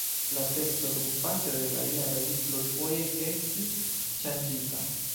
La teksto dumpase de la jaroj plurfoje estis ŝanĝita.